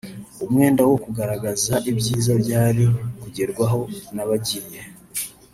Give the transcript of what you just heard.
umwenda wo kugaragaza ibyiza byari kugerwaho n’abagiye